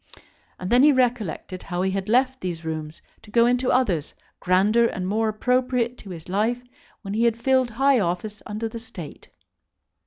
And then he recollected how he had left these rooms to go into others, grander and more appropriate to his life when he had filled high office under the State.